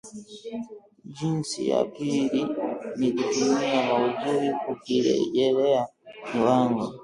Jinsi ya pili ni kutumia maudhui kukirejelea kiwango